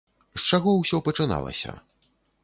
З чаго ўсё пачыналася?